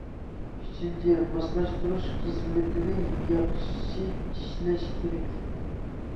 ئۈچىنچى، ماسلاشتۇرۇش خىزمىتىنى ياخشى ئىشلەش كېرەك.